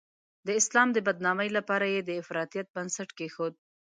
د اسلام د بدنامۍ لپاره یې د افراطیت بنسټ کېښود.